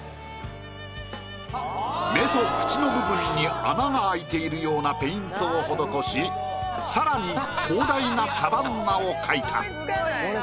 目と口の部分に穴が空いているようなペイントを施し更に広大なサバンナを描いた。